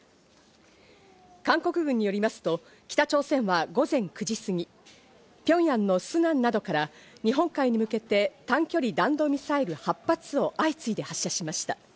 韓国軍によりますと北朝鮮は午前９時過ぎ、ピョンヤンのスナンなどから日本海に向けて短距離弾道ミサイル８発を相次いで発射しました。